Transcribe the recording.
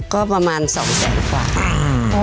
ก็ประมาณ๒แบบกว่า